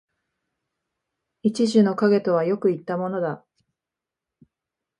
一樹の蔭とはよく云ったものだ